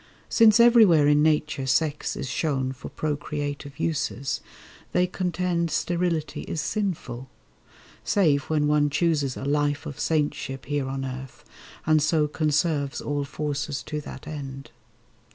Since everywhere in Nature sex is shown For procreative uses, they contend Sterility is sinful. (Save when one Chooses a life of Saintship here on earth, And so conserves all forces to that end.)